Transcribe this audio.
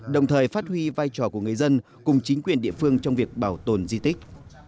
đồng thời phát huy vai trò của người dân cùng chính quyền địa phương trong việc bảo tồn di tích